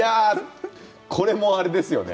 これもあれですよね